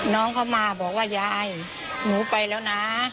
น้องเขามาบอกว่ายายหนูไปแล้วนะ